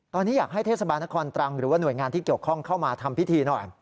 ตอนนี้อยากให้เทศบาลนครตรังหรือว่าหน่วยงานที่เกี่ยวข้องเข้ามาทำพิธีหน่อย